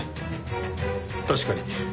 確かに。